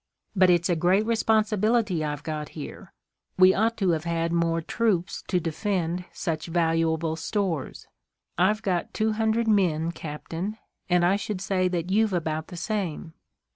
"But it's a great responsibility I've got here. We ought to have had more troops to defend such valuable stores. I've got two hundred men, captain, and I should say that you've about the same."